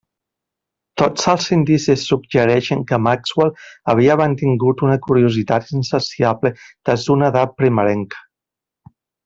Tots els indicis suggereixen que Maxwell havia mantingut una curiositat insaciable des d'una edat primerenca.